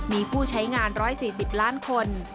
มีผู้ใช้งาน๑๔๐ล้านคน